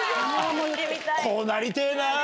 こうなりてぇなぁ。